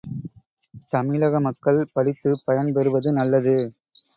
தமிழக மக்கள் படித்துப் பயன் பெறுவது நல்லது.